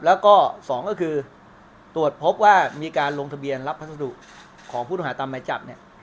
แล้วก็๒ก็คือตรวจพบว่ามีการลงทะเบียนรับพัสดุของผู้ต้องหาตามหมายจับเนี่ย